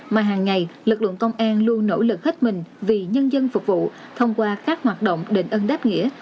mà hàng ngày lực lượng công an luôn nỗ lực hết mình vì nhân dân phục vụ thông qua các hoạt động đền ơn đáp nghĩa